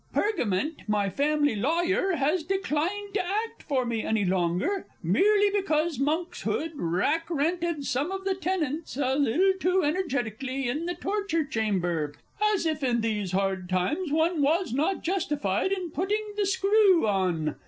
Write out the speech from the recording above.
Pergament, my family lawyer, has declined to act for me any longer, merely because Monkshood rack rented some of the tenants a little too energetically in the Torture Chamber as if in these hard times one was not justified in putting the screw on!